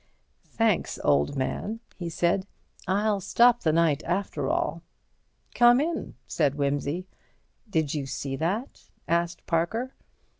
"Thanks, old man," he said. "I'll stop the night, after all." "Come in," said Wimsey. "Did you see that?" asked Parker.